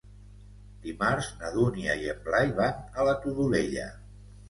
Dimarts na Dúnia i en Blai van a la Todolella.